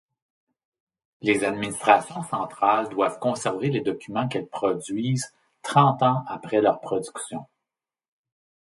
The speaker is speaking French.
Les administrations centrales doivent conserver les documents qu'elles produisent trente ans après leur production.